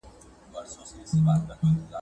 يو وار نوک، بيا سوک.